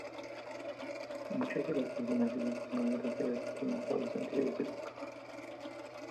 Muchos de los personajes de esta novela se repiten en trabajos anteriores del autor.